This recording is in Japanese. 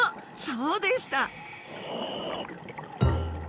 そうでした！